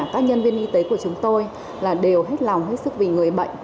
các nhân viên y tế của chúng tôi là đều hết lòng hết sức vì người bệnh